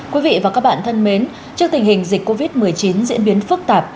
quý vị và các bạn thân mến trước tình hình dịch covid một mươi chín diễn biến phức tạp